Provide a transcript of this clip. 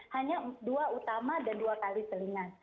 hanya dua utama dan dua kali telingan